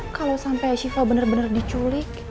kalau sampai siva bener bener diculik